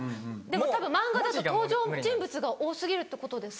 漫画だと登場人物が多過ぎるってことですか？